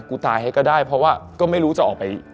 กูตายให้ก็ได้เพราะว่าก็ไม่รู้จะออกไป